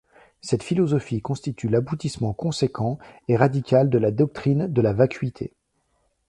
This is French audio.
Cette philosophie constitue l'aboutissement conséquent et radical de la doctrine de la vacuité.